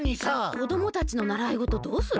こどもたちのならいごとどうする？